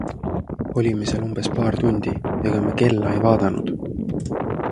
Olime seal umbes paar tundi, ega me kella ei vaadanud.